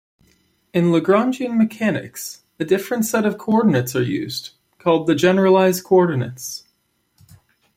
In Lagrangian mechanics, a different set of coordinates are used, called the generalized coordinates.